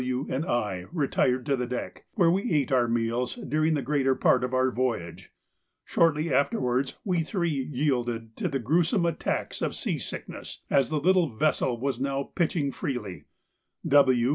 W., and I retired to the deck, where we ate our meals during the greater part of our voyage. Shortly afterwards we three yielded to the gruesome attacks of seasickness, as the little vessel was now pitching freely; W.